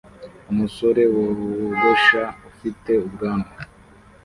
Umusore wogosha ufite ubwanwa